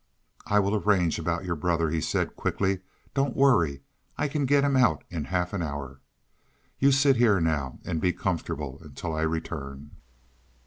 "I will arrange about your brother," he said quickly. "Don't worry. I can get him out in half an hour. You sit here now and be comfortable until I return."